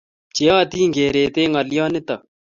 Pcheyatin keret eng ngaliot nitok